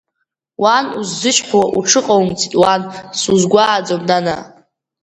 Уан, усзычҳуа уҽыҟаумҵит, уан, сузгәааӡом, нанаа!